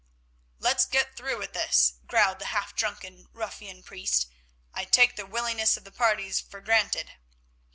"Let's get through with this," growled the half drunken, ruffian priest. "I take the willingness of the parties for granted."